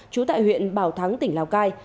trú tại huyện bảo thắng tỉnh lào cai